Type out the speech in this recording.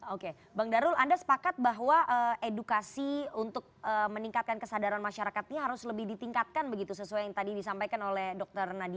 oke bang darul anda sepakat bahwa edukasi untuk meningkatkan kesadaran masyarakat ini harus lebih ditingkatkan begitu sesuai yang tadi disampaikan oleh dr nadia